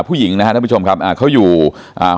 ผู้หญิงนะฮะท่านผู้ชมครับอ่าเขาอยู่อ่า